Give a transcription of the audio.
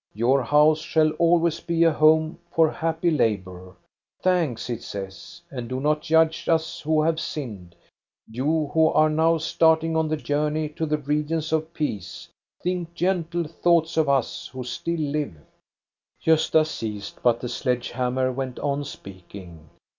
Your house shall always be a home for happy labor. '—* Thanks, ' it says, ' and do not judge us who have sinned ! You who are now starting on the journey to the regions of peace, think gentle thoughts of us who still live. '" Gosta ceased, but the sledge hammer went on speaking.